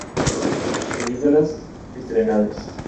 Películas estrenadas